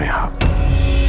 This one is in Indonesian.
dia harus masuk penjara